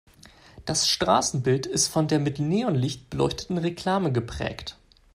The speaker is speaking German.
Das Straßenbild ist von der mit Neonlicht beleuchteten Reklame geprägt.